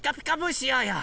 しようよ！